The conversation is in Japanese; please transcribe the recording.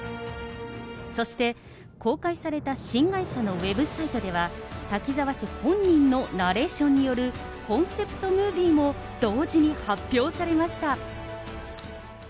そして公開された新会社のウェブサイトでは、滝沢氏本人のナレーションによるコンセプトムービーも同時に発表されました。